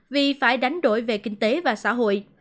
vì phải đánh đổi về kinh tế và xã hội